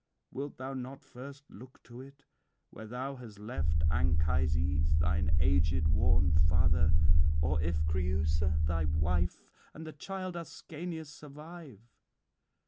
Wilt thou not first look to it, where thou hast left Anchises, [597 630]thine aged worn father; or if Creüsa thy wife and the child Ascanius survive?